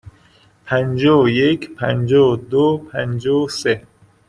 پنجاه و یک، پنجاه و دو، پنجاه و سه.